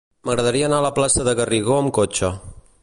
M'agradaria anar a la plaça de Garrigó amb cotxe.